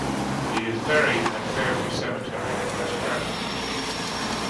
He is buried at Fairview Cemetery in West Hartford.